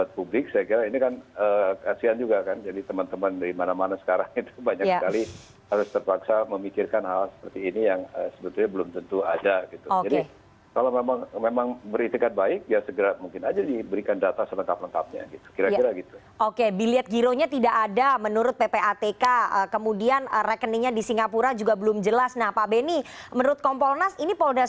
tidak secara rigid diatur mekanismenya prinsipnya harus dianggur dan sebagainya